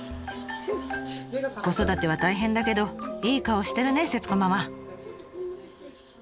子育ては大変だけどいい顔してるね節子ママ。